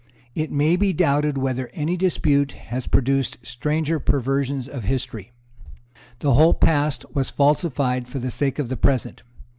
It may be doubted whether any dispute has produced stranger perversions of history. The whole past was falsified for the sake of the present.